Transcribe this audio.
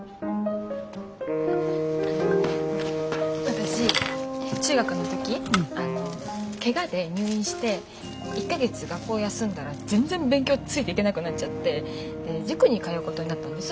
私中学の時けがで入院して１か月学校休んだら全然勉強ついていけなくなっちゃって塾に通うことになったんです。